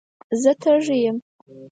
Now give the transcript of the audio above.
زه تږي یم.